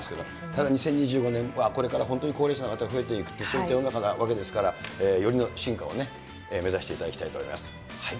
ただ２０２５年、これから本当に高齢者の方増えていく、そういった世の中なわけですから、よりの進化を目指していただきたいと思います。